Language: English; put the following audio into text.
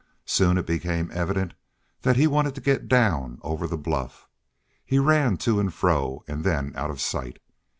Soon it became evident that he wanted to get down over the bluff. He ran to and fro, and then out of sight.